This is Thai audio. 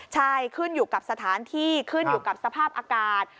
ใช่ขึ้นอยู่กับสถานที่ขึ้นอยู่กับสภาพอากาศ